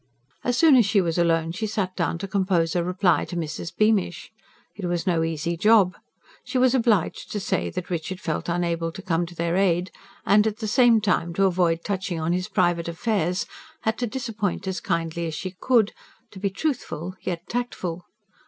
As soon as she was alone she sat down to compose a reply to Mrs. Beamish. It was no easy job: she was obliged to say that Richard felt unable to come to their aid; and, at the same time, to avoid touching on his private affairs; had to disappoint as kindly as she could; to be truthful, yet tactful.